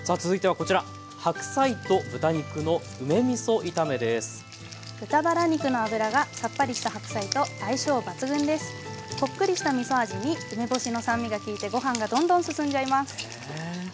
こっくりしたみそ味に梅干しの酸味が利いてご飯がどんどん進んじゃいます。